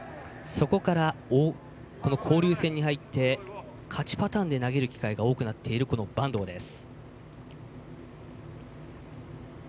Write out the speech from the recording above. そこから交流戦に入って勝ちパターンで投げる機会が多くなっている板東です。